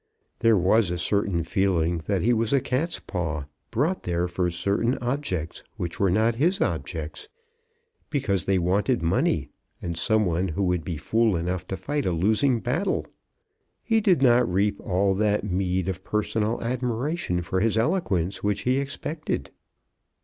There was a certain feeling that he was a cat's paw, brought there for certain objects which were not his objects, because they wanted money, and some one who would be fool enough to fight a losing battle! He did not reap all that meed of personal admiration for his eloquence which he expected.